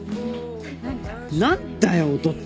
何だよ「音」って！